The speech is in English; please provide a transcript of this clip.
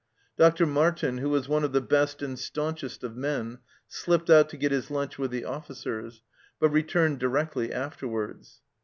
Dr. Martin, who was one of the best and staunchest of men, slipped out to get his lunch with the officers, but returned directly afterwards.